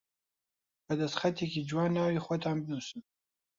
بە دەستخەتێکی جوان ناوی خۆتان بنووسن